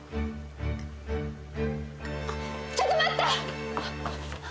ちょっと待った！